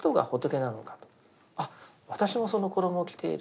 あっ私もその衣を着ている。